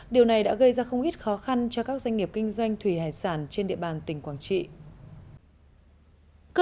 các doanh nghiệp kinh doanh thủy hải sản trên địa bàn tỉnh quảng trị